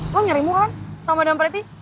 lu nyeremo kan sama mdm preti